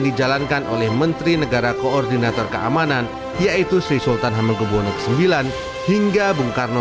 dijalankan oleh menteri negara koordinator keamanan yaitu sri sultan hamengkubwono ix hingga bung karno